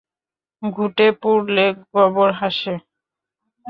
ঘুটে পুড়লে গোবর হাসে।